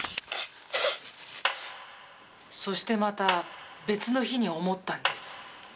そしてまた別の日に思ったんです。